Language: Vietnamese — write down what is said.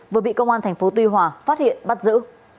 vừa bị công an tp tuy hòa phát hiện bắt giữ